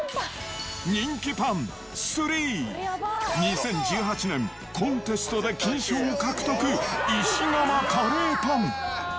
人気パン３、２０１８年、コンテストで金賞を獲得、石窯カレーパン。